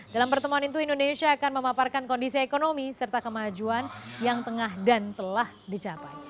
dalam pertemuan itu indonesia akan memaparkan kondisi ekonomi serta kemajuan yang tengah dan telah dicapai